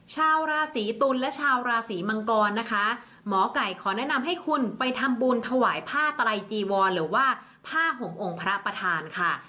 ชาวราศีตุลและชาวราศีมังกรนะคะหมอไก่ขอแนะนำให้คุณไปทำบุญถวายผ้าไตรจีวรหรือว่าผ้าห่มองค์พระประธานค่ะ